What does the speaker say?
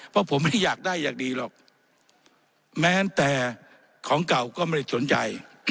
เพราะผมไม่ได้อยากได้อย่างดีหรอกแม้แต่ของเก่าก็ไม่ได้สนใจ